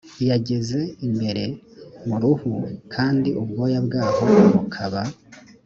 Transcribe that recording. yageze imbere mu ruhu kandi ubwoya bwaho bukaba